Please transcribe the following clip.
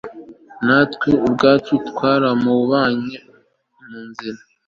natwe ubwacu twaramubonye munzira